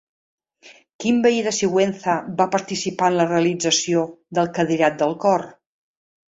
Quin veí de Sigüenza va participar en la realització del cadirat del cor?